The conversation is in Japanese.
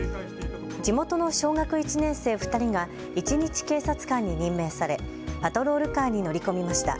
地元の小学１年生２人が一日警察官に任命されパトロールカーに乗り込みました。